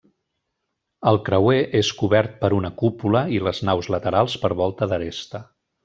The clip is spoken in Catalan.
El creuer és cobert per una cúpula i les naus laterals per volta d'aresta.